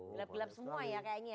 gelap gelap semua ya kayaknya